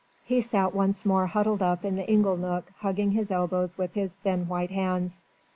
He sat once more huddled up in the ingle nook hugging his elbows with his thin white hands.